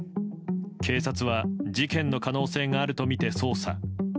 警察は事件の可能性があるとみて捜査。